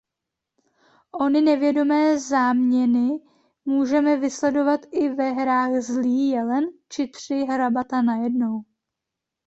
Ony nevědomé záměny můžeme vysledovat i ve hrách Zlý jelen či Tři hrabata najednou.